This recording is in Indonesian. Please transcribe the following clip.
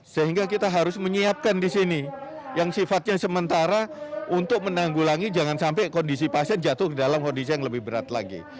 sehingga kita harus menyiapkan di sini yang sifatnya sementara untuk menanggulangi jangan sampai kondisi pasien jatuh ke dalam kondisi yang lebih berat lagi